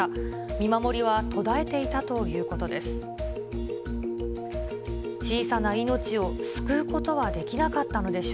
見守りは途絶えていたということです。